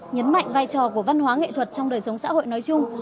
nhấn mạnh vai trò của văn hóa nghệ thuật trong đời sống xã hội nói chung